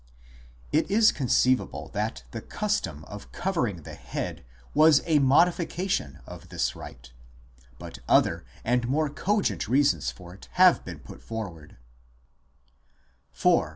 6 It is conceivable that the custom of covering the head was a modification of this rite, but other and more cogent reasons for it have been put forward, see p.